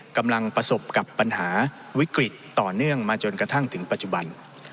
กำลังประสบกับปัญหาวิกฤตต่อเนื่องมาจนกระทั่งถึงปัจจุบัน